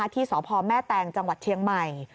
ที่สพแม่แตงจังหวัดเชียงใหม่